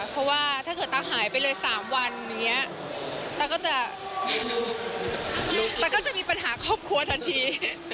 เพราะว่าถ้าเกิดตาหายไปเลย๓วันอย่างนี้ตาก็จะตั๊ก็จะมีปัญหาครอบครัวทันที